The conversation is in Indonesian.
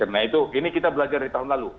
nah itu ini kita belajar dari tahun lalu